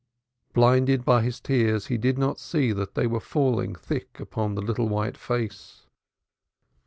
Blinded by his tears, he did not see that they were falling thick upon the little white face.